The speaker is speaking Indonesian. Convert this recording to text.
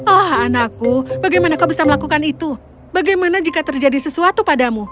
oh anakku bagaimana kau bisa melakukan itu bagaimana jika terjadi sesuatu padamu